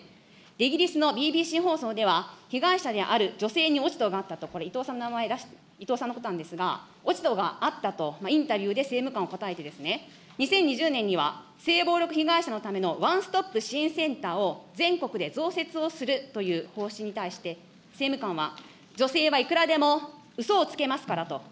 イギリスのＢＢＣ放送では、被害者にある女性に落ち度があったと、伊藤さんの名前出して、これ、伊藤さんのことなんですが、落ち度があったとインタビューで政務官を答えて、２０２０年には性暴力被害者のためのワンストップ支援センターを全国で増設をするという方針に対して、政務官は、女性はいくらでもうそをつけますからと。